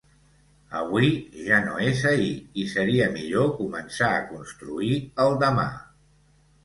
Avui ja no és ahir i seria millor començar a construir el demà.